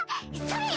それ！